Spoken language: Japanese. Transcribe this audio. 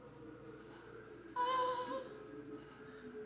ああ。